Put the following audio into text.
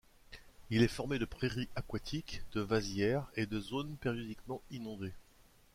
Il est formé de prairies aquatiques, de vasières et de zones périodiquement inondées.